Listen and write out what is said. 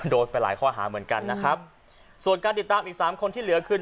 โดนไปหลายข้อหาเหมือนกันนะครับส่วนการติดตามอีกสามคนที่เหลือคือ